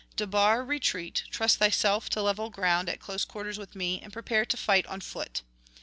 Debar retreat; trust thyself to level ground at close quarters with me, and prepare to fight on foot.